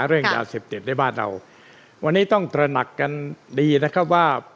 เรื่องยาเสพติดในบ้านเราวันนี้ต้องตระหนักกันดีนะครับว่า